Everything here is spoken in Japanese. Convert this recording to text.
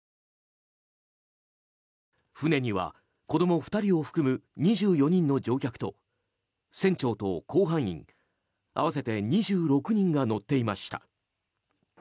船には子供２人を含む２４人の乗客と船長と甲板員、合わせて２６人が乗っていました。